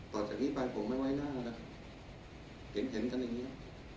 ต่อจากนี้ไปผมไม่ไว้หน้านะเห็นเห็นกันอย่างนี้